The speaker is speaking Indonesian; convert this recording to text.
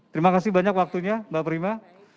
terima kasih banyak waktunya mbak prima